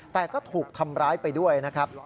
แต่ก็ถูกทำร้ายไปด้วยนะครับ